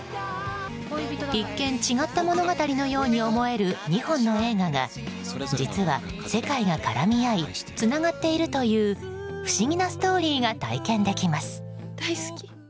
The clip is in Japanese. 一見違った物語のように思える２本の映画が実は世界が絡み合いつながっているという不思議なストーリーが体験できます。